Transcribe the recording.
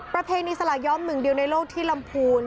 ประเพณีสลายย้อมหนึ่งเดียวในโลกที่ลำพูน